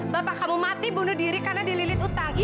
bapak kamu mati bunuh diri karena dililirkan